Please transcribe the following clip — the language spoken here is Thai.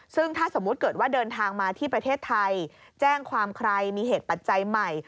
ซึ่งถ้าสมมุติเกิดว่าเดินทางมาที่ประเทศไทยแจ้งความใครมีเหตุปัจจัยใหม่